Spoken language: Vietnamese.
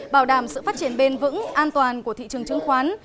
bảo đảm sự phát triển bền vững an toàn của thị trường chứng khoán